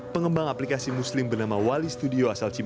pengembang aplikasi muslim bernama wali studio asal cimahi